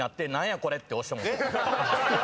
これって押してもうた。